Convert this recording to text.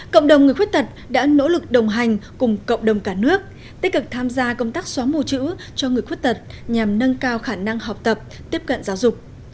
cộng đồng người khuyết tật đã nỗ lực đồng hành cùng cộng đồng cả nước tích cực tham gia công tác xóa mù chữ cho người khuyết tật nhằm nâng cao khả năng học tập tiếp cận giáo dục